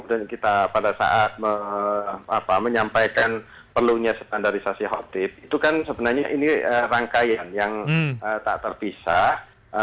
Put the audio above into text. sejak dua ribu tujuh belas kemudian kita pada saat menyampaikan perlunya standarisasi hot date itu kan sebenarnya ini rangkaian yang tak terpisah